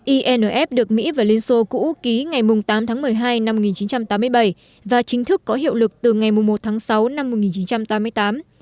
inf được mỹ và liên xô cũ ký ngày tám tháng một mươi hai năm một nghìn chín trăm tám mươi bảy và chính thức có hiệu lực từ ngày một tháng sáu năm một nghìn chín trăm tám mươi tám